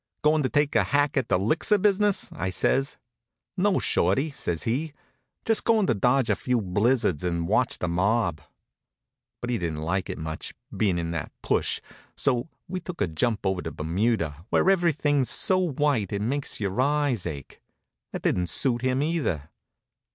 "Goin' to take a hack at the 'lixir business?" I says. "No, Shorty," says he. "Just going to dodge a few blizzards and watch the mob." But he didn't like it much, being in that push, so we took a jump over to Bermuda, where everything's so white it makes your eyes ache. That didn't suit him, either.